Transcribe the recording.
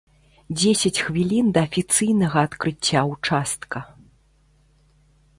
Дзесяць хвілін да афіцыйнага адкрыцця ўчастка.